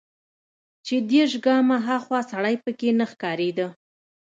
چې دېرش ګامه ها خوا سړى پکښې نه ښکارېده.